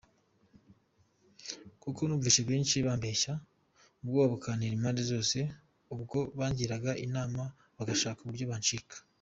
Kuko numvise benshi bambeshya, Ubwoba bukantera impande zose, Ubwo bangīraga inama, Bagashaka uburyo banyica.